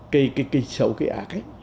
cái xấu cái ác ấy